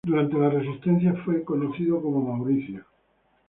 Durante la resistencia, fue conocido como Maurizio.